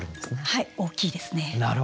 はい大きいですね。